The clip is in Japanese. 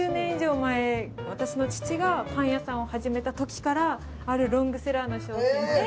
私の父がパン屋さんを始めたときからあるロングセラーの商品で。